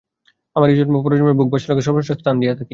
আমরা ইহজন্ম বা পরজন্মের ভোগ-বাসনাকে সর্বশ্রেষ্ঠ স্থান দিয়া থাকি।